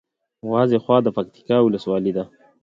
وازېخواه د پکتیکا ولسوالي ده